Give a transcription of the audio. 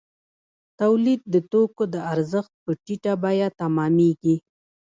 تولید د توکو د ارزښت په ټیټه بیه تمامېږي